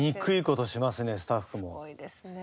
すごいですね。